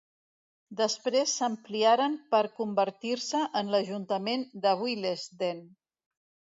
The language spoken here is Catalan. Després s'ampliaren per convertir-se en l'ajuntament de Willesden.